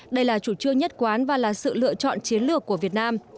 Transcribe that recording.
đây là chủ trương nhất quán và là sự lựa chọn chiến lược của việt nam